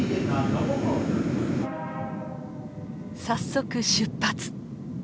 早速出発！